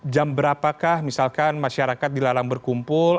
jam berapakah misalkan masyarakat dilarang berkumpul